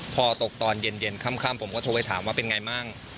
พอตกตอนเย็นค่ำผมก็โทรไปถามว่าเป็นไงมั่ง